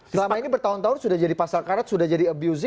selama ini bertahun tahun sudah jadi pasal karet sudah jadi abusi